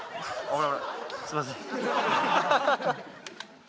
すいません